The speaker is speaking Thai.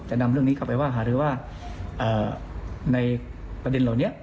นำเรื่องนี้เข้าไปว่าหารือว่าในประเด็นเหล่านี้